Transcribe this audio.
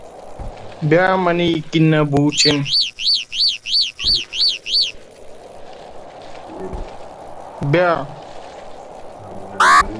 She was usually known as "Lady Mansell".